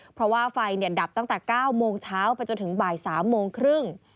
เพราะว่าไฟดับตั้งแต่๙โมงเช้าไปจนถึงบ่าย๓โมงครึ่ง